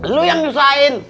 lu yang nusain